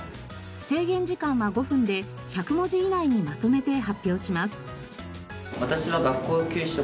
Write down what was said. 制限時間は５分で１００文字以内にまとめて発表します。